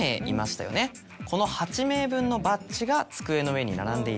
この８名分のバッジが机の上に並んでいた。